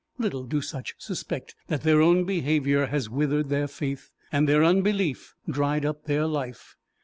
Little do such suspect that their own behaviour has withered their faith, and their unbelief dried up their life.